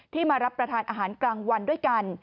มารับประทานอาหารกลางวันด้วยกัน